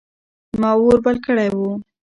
ما اور بل کړی و.